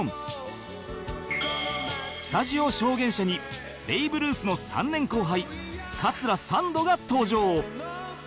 スタジオ証言者にベイブルースの３年後輩桂三度が登場